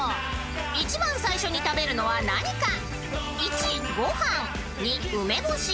［一番最初に食べるのは何か？］